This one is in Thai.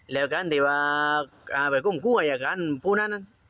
แล้วกันที่ว่าอ่าไปกลุ่มกู้อายการผู้นั้นน่ะ